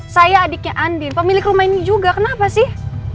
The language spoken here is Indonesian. saya adiknya andin pemilik rumah ini juga kenapa sih